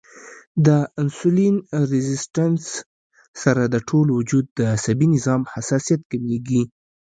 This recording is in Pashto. د انسولين ريزسټنس سره د ټول وجود د عصبي نظام حساسیت کميږي